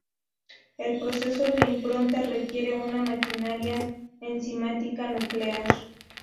El proceso de impronta requiere una maquinaria enzimática nuclear.